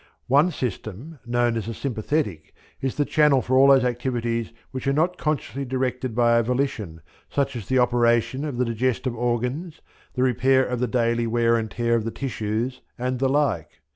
One system, known as the Sympathetic, is the channel for all those activities which are not consciously directed by our volition, such as the operation of the digestive organs, the repair of the daily wear and tear of the tissues, and the like.